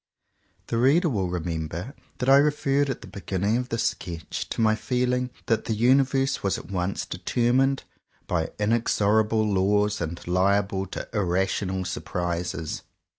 The reader will remember that I referred at the beginning of this sketch to my feeling that the universe was at once determined by inexorable laws and liable to irrational surprises.